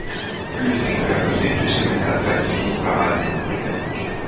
Le single a passé deux semaines à la place du hit-parade britannique.